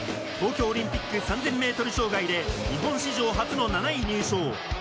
東京オリンピック、３０００ｍ障害で日本史上初の７位入賞。